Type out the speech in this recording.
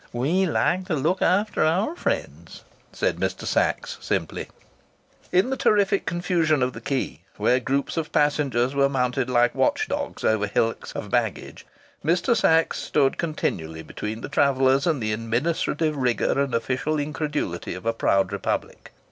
"We like to look after our friends," said Mr. Sachs, simply. In the terrific confusion of the quay, where groups of passengers were mounted like watch dogs over hillocks of baggage, Mr. Sachs stood continually between the travellers and the administrative rigour and official incredulity of a proud republic.